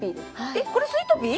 えっこれスイートピー？